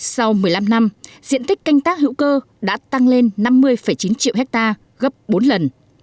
sau một mươi năm năm diện tích canh tác hữu cơ đã tăng lên năm mươi chín triệu hectare gấp bốn lần